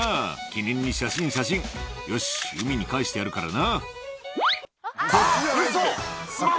記念に写真、写真、よし、海に帰してやるからな。